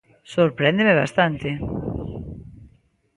Sorpréndeme bastante.